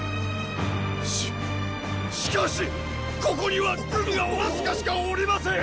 ししかしっここには軍がわずかしかおりません！